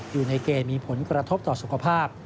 อยู่ในเกณฑ์มีผลกระทบต่อสุขภาพ